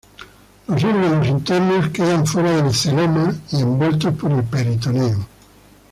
Los órganos internos quedan fuera del celoma y envueltos por el peritoneo.